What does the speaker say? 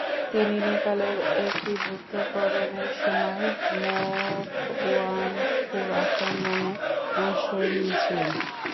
তিনি নেপালের একীভূতকরণের সময় মকওয়ানপুর আক্রমণে অংশ নিয়েছিলেন।